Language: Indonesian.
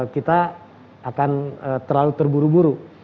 kita akan terlalu terburu buru